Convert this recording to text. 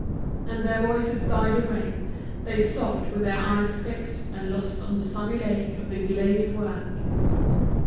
And their voices died away, they stopped with their eyes fixed and lost on the sunny lake of the glazed work.